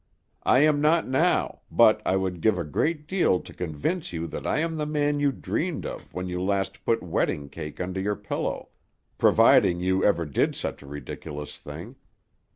I am not now, but I would give a great deal to convince you that I am the man you dreamed of when you last put wedding cake under your pillow, providing you ever did such a ridiculous thing.